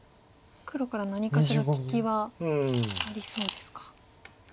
黒から何かしら利きはありそうですか。